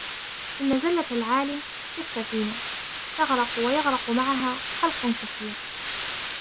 إنَّ زَلَّةَ الْعَالِمِ كَالسَّفِينَةِ تَغْرَقُ وَيَغْرَقُ مَعَهَا خَلْقٌ كَثِيرٌ